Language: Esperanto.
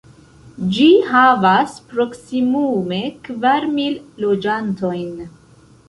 Ĝi havas proksimume kvar mil loĝantojn.